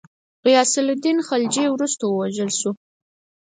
غیاث االدین خلجي وروسته ووژل شو.